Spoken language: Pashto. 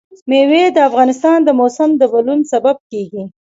مېوې د افغانستان د موسم د بدلون سبب کېږي.